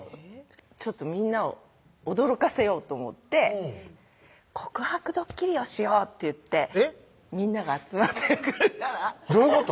ちょっとみんなを驚かせようと思って「告白ドッキリをしよう」って言ってみんなが集まってくるからどういうこと？